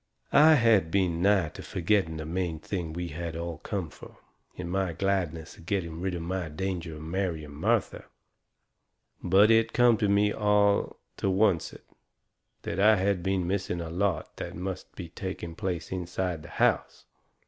I had been nigh to forgetting the main thing we had all come here fur, in my gladness at getting rid of any danger of marrying Martha. But it come to me all to oncet I had been missing a lot that must be taking place inside that house.